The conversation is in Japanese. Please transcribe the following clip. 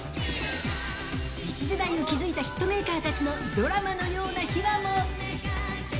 一時代を築いたヒットメーカーたちのドラマのような秘話も。